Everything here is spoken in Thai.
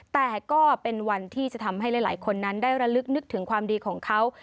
แต่ก็เป็นวันที่จะทำให้หลายคนนั้นได้ระลึกนึกถึงความดีของเขา